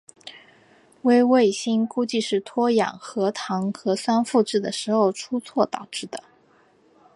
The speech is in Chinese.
微卫星估计是脱氧核糖核酸复制的时候出错导致的。